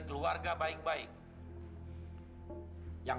kejar dia kejar